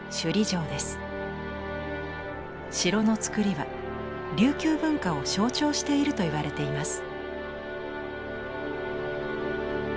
城のつくりは琉球文化を象徴しているといわれています。